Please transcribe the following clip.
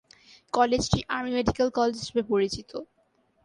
কলেজটি army medical college হিসেবে পরিচিত।